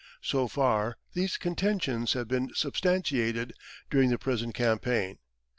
So far these contentions have been substantiated during the present campaign.